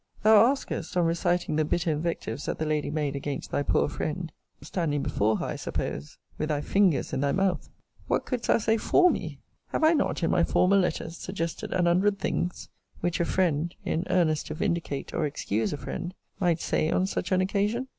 Thou askest, on reciting the bitter invectives that the lady made against thy poor friend, (standing before her, I suppose, with thy fingers in thy mouth,) What couldst thou say FOR me? Have I not, in my former letters, suggested an hundred things, which a friend, in earnest to vindicate or excuse a friend, might say on such an occasion?